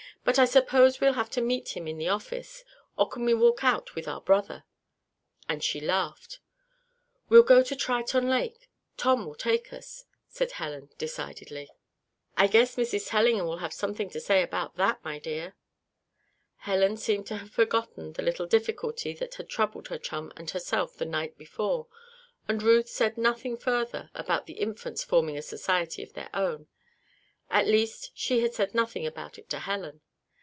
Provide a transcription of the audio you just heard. "But I suppose we'll have to meet him in the office? Or can we walk out with our 'brother'?" and she laughed. "We'll go to Triton Lake; Tom will take us," said Helen, decidedly. "I guess Mrs. Tellingham will have something to say about that, my dear." Helen seemed to have forgotten the little difficulty that had troubled her chum and herself the night before, and Ruth said nothing further about the Infants forming a society of their own. At least, she said nothing about it to Helen.